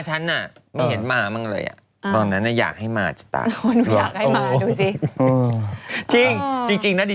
อันนี้อย่างนี้